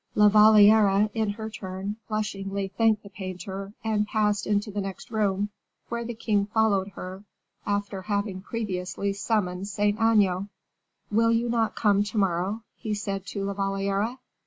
La Valliere in her turn, blushingly thanked the painter and passed into the next room, where the king followed her, after having previously summoned Saint Aignan. "Will you not come to morrow?" he said to La Valliere.